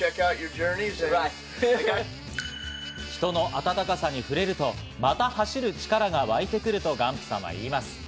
人の温かさに触れると、また走る力が湧いてくるとガンプさんは言います。